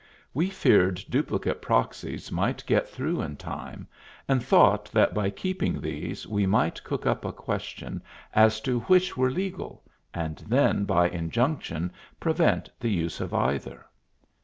"We feared duplicate proxies might get through in time, and thought that by keeping these we might cook up a question as to which were legal, and then by injunction prevent the use of either."